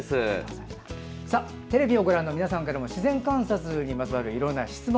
テレビをご覧の皆さんからも自然観察にまつわる質問